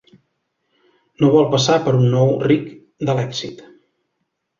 No vol passar per un nou ric de l'èxit.